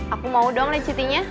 aku mau dong lechitynya